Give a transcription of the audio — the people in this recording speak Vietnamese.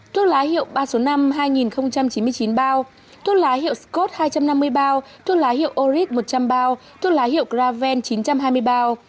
thuốc lá hiệu ba trăm sáu mươi năm hai chín mươi chín bao thuốc lá hiệu scot hai trăm năm mươi bao thuốc lá hiệu oryx một trăm linh bao thuốc lá hiệu graven chín trăm hai mươi bao